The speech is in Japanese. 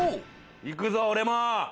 いくぞ俺も。